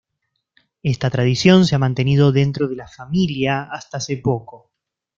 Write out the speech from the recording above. Esta tradición se ha mantenido dentro de la "familia" hasta hace poco.